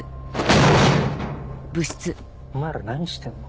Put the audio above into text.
お前ら何してんの？